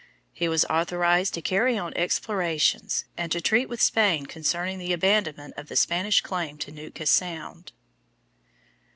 He was authorized to carry on explorations, and to treat with Spain concerning the abandonment of the Spanish claim to Nootka Sound.